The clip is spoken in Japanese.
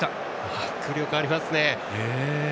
迫力ありますね。